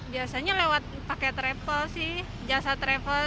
biasanya lewat pakai travel sih jasa travel